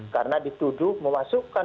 karena dituduh memasukkan